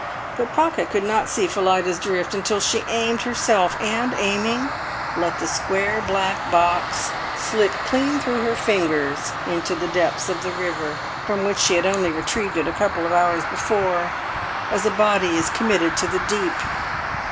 But Pocket could not see Phillida's drift until she aimed herself, and, aiming, let the square black box slip clean through her fingers into the depths of the river from which she had only retrieved it a couple of hours before, as a body is committed to the deep.